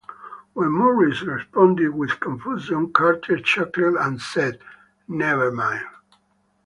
When Morris responded with confusion, Carter chuckled and said "Never mind".